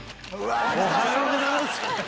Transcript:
おはようございます！